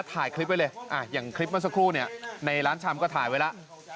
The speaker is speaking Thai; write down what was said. ถ่ายคลิปไว้เลยอย่างคลิปมาสักครู่ในร้านชามก็ถ่ายไว้แล้ว